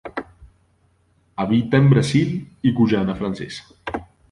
Habita en Brasil y Guyana Francesa.